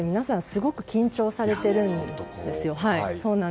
すごく緊張されているんですよ。